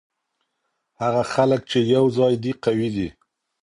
هغه خلګ چي یو ځای دي قوي دي.